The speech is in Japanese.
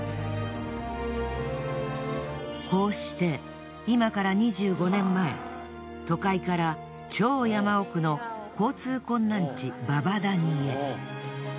こうして今から２５年前都会から超山奥の交通困難地祖母谷へ。